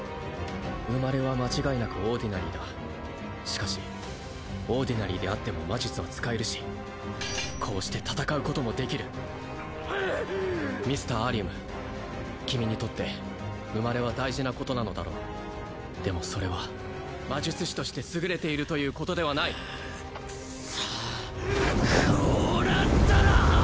生まれは間違いなくオーディナリーだしかしオーディナリーであっても魔術は使えるしこうして戦うこともできるミスターアリウム君にとって生まれは大事なことなのだろうでもそれは魔術師として優れているということではないクソッ